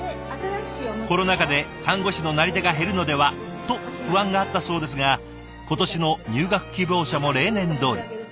コロナ禍で看護師のなり手が減るのではと不安があったそうですが今年の入学希望者も例年どおり。